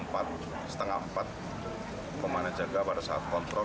pukul empat tiga puluh pukul mana jaga pada saat kontrol